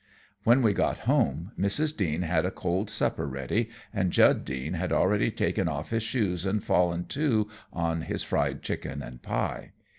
When we got home, Mrs. Deane had a cold supper ready, and Jud Deane had already taken off his shoes and fallen to on his fried chicken and pie.